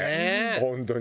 本当に。